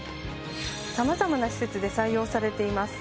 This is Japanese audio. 様々な施設で採用されています。